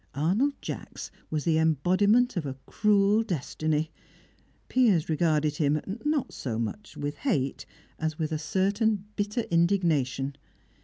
Arnold Jacks was the embodiment of a cruel destiny; Piers regarded him, not so much with hate, as with a certain bitter indignation.